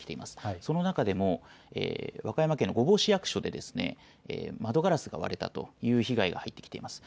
その中でも和歌山県の御坊市役所で窓ガラスが割れたという被害が入ってきています。